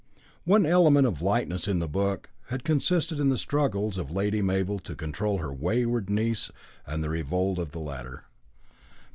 One element of lightness in the book had consisted in the struggles of Lady Mabel to control her wayward niece and the revolt of the latter.